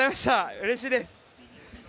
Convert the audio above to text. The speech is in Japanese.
うれしいです。